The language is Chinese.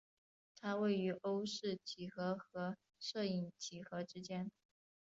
它位于欧氏几何和射影几何之间。